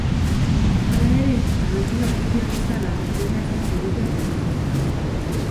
Halere, abentura guztiak bezala, dena ez zen polita eta erraza izan.